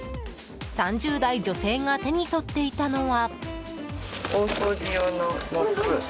３０代女性が手に取っていたのは。